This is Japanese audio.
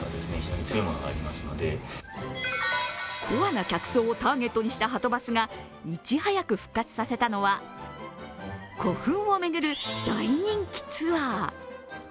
コアな客層をターゲットにしたはとバスがいち早く復活させたのは古墳を巡る大人気ツアー。